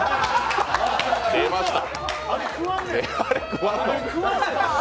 出ました！